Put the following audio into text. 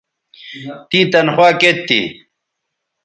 تیں تنخوا کیئت تھی